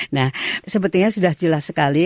nah sepertinya sudah jelas sekali